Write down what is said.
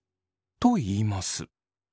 と言います。